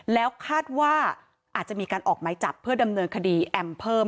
แล้วคาดว่าอาจจะมีการออกไม้จับเพื่อดำเนินคดีแอมเพิ่ม